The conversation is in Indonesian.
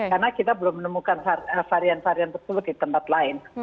karena kita belum menemukan varian varian tersebut di tempat lain